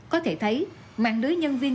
có thể thấy mạng đứa nhân viên